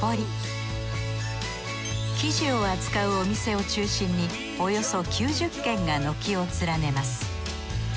生地を扱うお店を中心におよそ９０軒が軒を連ねます。